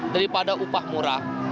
daripada upah murah